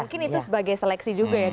mungkin itu sebagai seleksi juga ya